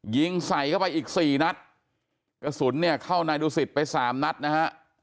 ยิงใส่เข้าไปอีกสี่นัดกระสุนเนี่ยเข้านายดูสิตไปสามนัดนะฮะ